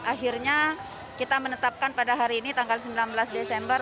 akhirnya kita menetapkan pada hari ini tanggal sembilan belas desember